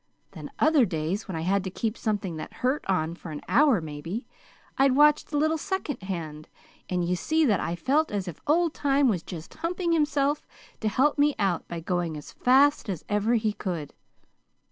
Then, other days, when I had to keep something that hurt on for an hour, maybe, I'd watch the little second hand; and you see then I felt as if Old Time was just humping himself to help me out by going as fast as ever he could.